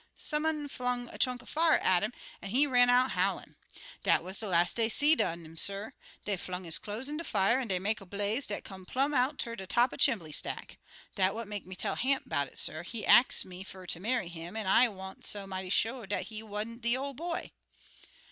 Some un um flung a chunk of fire at 'im, an' he run out howlin'. "Dat wuz de last dey seed un 'im, suh. Dey flung his cloze in de fire, an' dey make a blaze dat come plum out'n de top er de chimbley stack. Dat what make me tell Hamp 'bout it, suh. He ax me fer ter marry 'im, an' I wan't so mighty sho' dat he wan't de Ol' Boy."